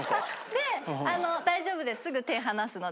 であの大丈夫ですすぐ手離すので。